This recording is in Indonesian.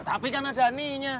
tapi kan ada aninya